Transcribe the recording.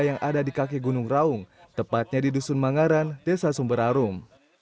yang ada di kaki gunung raung tepatnya di dusun mangaran desa sumberarum